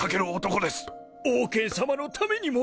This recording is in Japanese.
オウケン様のためにも！